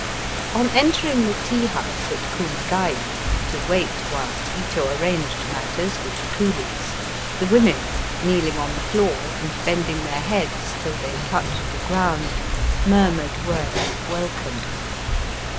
On entering the tea house at Kumagai to wait whilst Ito arranged matters with the coolies, the women, kneeling on the floor and bending their heads till they touched the ground, murmured words of welcome.